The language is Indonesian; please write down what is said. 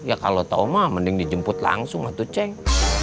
ya kalo tau mah mending dijemput langsung atuh ceng